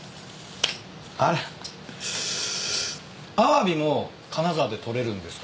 アワビも金沢で採れるんですか？